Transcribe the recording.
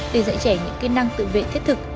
để dạy trẻ những kỹ năng tự vệ thiết thực